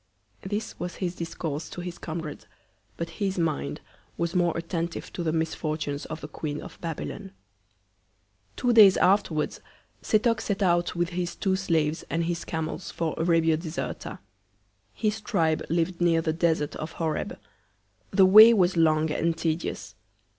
This was his Discourse to his Comrade; but his Mind was more attentive to the Misfortunes of the Queen of Babylon. Two Days afterwards Setoc set out with his two Slaves and his Camels, for Arabia Deserta. His Tribe liv'd near the Desert of Horeb. The Way was long and tedious.